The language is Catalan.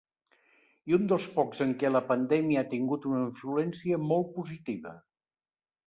I un dels pocs en què la pandèmia ha tingut una influència molt positiva.